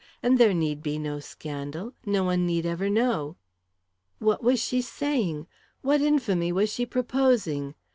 And there need be no scandal. No one need ever know!" What was she saying? What infamy was she proposing?